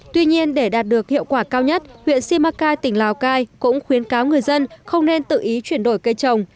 tuy nhiên để đạt được hiệu quả cao nhất huyện simacai tỉnh lào cai cũng khuyến cáo người dân không nên tự ý chuyển đổi cây trồng